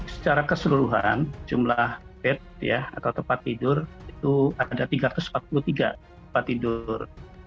secara keseluruhan jumlah bed atau tempat tidur itu ada tiga ratus empat puluh tiga tempat tidur